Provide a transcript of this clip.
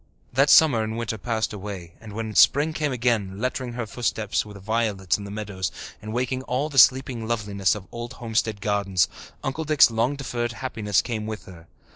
That summer and winter passed away, and when spring came again, lettering her footsteps with violets in the meadows and waking all the sleeping loveliness of old homestead gardens, Uncle Dick's long deferred happiness came with her.